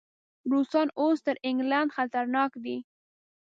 روسان اوس تر انګلینډ خطرناک دي.